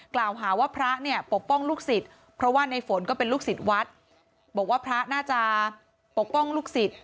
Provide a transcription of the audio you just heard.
กล่าวหาว่าพระเนี่ยปกป้องลูกศิษย์เพราะว่าในฝนก็เป็นลูกศิษย์วัดบอกว่าพระน่าจะปกป้องลูกศิษย์